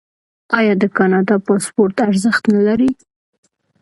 آیا د کاناډا پاسپورت ارزښت نلري؟